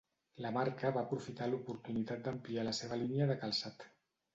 La marca va aprofitar l'oportunitat d'ampliar la seva línia de calçat.